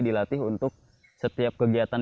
dilatih untuk setiap kegiatan